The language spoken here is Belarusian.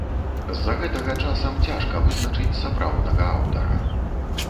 З-за гэтага часам цяжка вызначыць сапраўднага аўтара.